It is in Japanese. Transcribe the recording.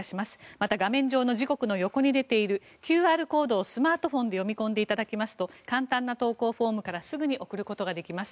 また、画面上の時刻の横に出ているＱＲコードをスマートフォンで読み込んでいただきますと簡単な投稿フォームからすぐに送ることができます。